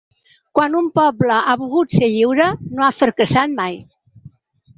Quan un poble ha volgut ser lliure, no ha fracassat mai.